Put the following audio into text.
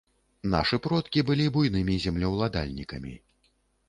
Нашы продкі былі буйнымі землеўладальнікамі.